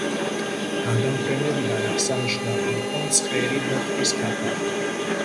გადამფრენებიდან აღსანიშნავი იყო მწყერი და ტყის ქათამი.